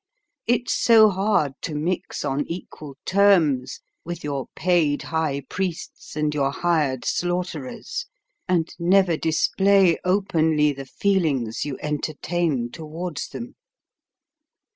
It's so hard to mix on equal terms with your paid high priests and your hired slaughterers, and never display openly the feelings you entertain towards them.